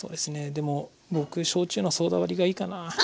でも僕焼酎のソーダ割りがいいかなあ。